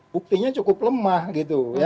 buktinya cukup lemah gitu